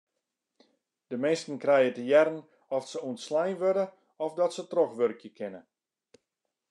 De minsken krije te hearren oft se ûntslein wurde of dat se trochwurkje kinne.